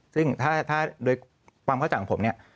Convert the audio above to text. ซึ่งถ้าโดยความเข้าใจของผมเนี่ย